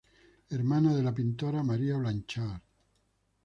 Hermana de la pintora María Blanchard.